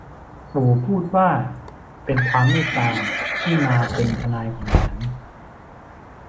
ปู่พูดว่า เป็นความเมตตาที่มาเป็นทนายของฉัน